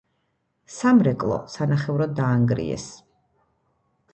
სამრეკლო სანახევროდ დაანგრიეს.